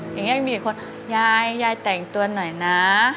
อย่างนี้ยังมีอีกคนยายยายแต่งตัวหน่อยนะ